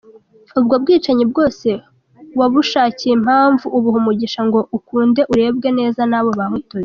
Ubwo bwicanyi bwose wabushakiye impamvu, ubuha umugisha ngo ukunde urebwe neza n’abo bahotozi.